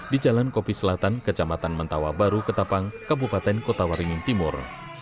di jalan kopi selatan kecamatan mentawa baru ketapang kabupaten kota waringin timur